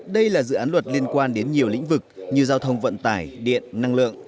đây là dự án luật liên quan đến nhiều lĩnh vực như giao thông vận tải điện năng lượng